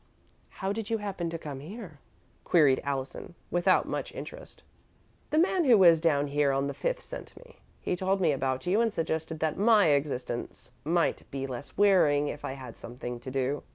"How did you happen to come here?" queried Allison, without much interest. "The man who was down here on the fifth sent me. He told me about you and suggested that my existence might be less wearing if I had something to do.